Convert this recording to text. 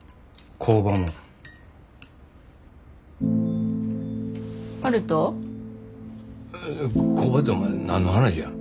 工場てお前何の話や。